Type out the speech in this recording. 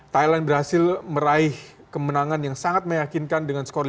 thailand berhasil meraih kemenangan yang sangat meyakinkan dengan skor lima